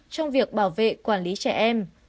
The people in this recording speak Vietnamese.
trong việc bảo vệ quản lý trẻ em